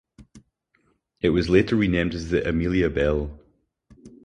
It was later renamed as the Amelia Belle.